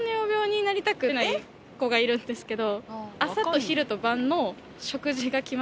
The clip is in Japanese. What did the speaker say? がいるんですけど。